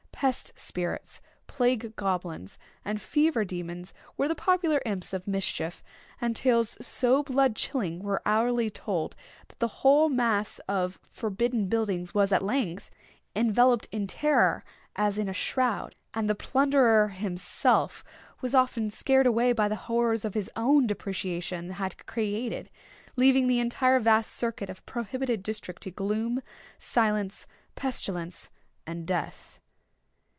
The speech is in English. Pest spirits, plague goblins, and fever demons, were the popular imps of mischief; and tales so blood chilling were hourly told, that the whole mass of forbidden buildings was, at length, enveloped in terror as in a shroud, and the plunderer himself was often scared away by the horrors his own depreciations had created; leaving the entire vast circuit of prohibited district to gloom, silence, pestilence, and death.